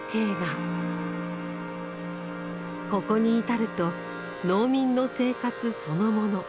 ここに至ると農民の生活そのもの